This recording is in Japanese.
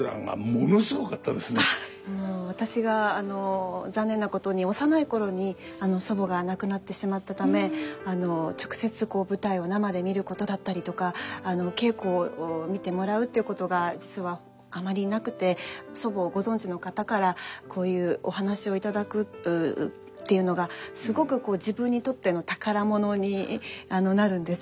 私があの残念なことに幼い頃に祖母が亡くなってしまったため直接舞台を生で見ることだったりとかお稽古を見てもらうっていうことが実はあまりなくて祖母をご存じの方からこういうお話を頂くっていうのがすごくこう自分にとっての宝物になるんです。